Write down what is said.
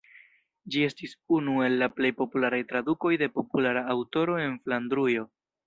Ĝi estis unu el la plej popularaj tradukoj de populara aŭtoro en Flandrujo.